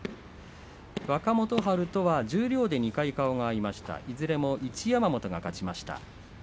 若元春とは十両で２回顔が合いました、いずれも一山本が勝ちました。